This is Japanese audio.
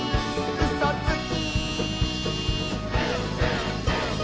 「うそつき！」